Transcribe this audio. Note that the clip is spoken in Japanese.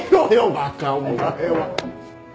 バカお前は。